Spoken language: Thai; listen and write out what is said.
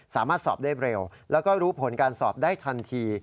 สามารถสอบได้เร็วแล้วก็รู้ผลการสอบได้ทันที